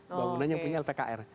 bangunan yang punya lpkr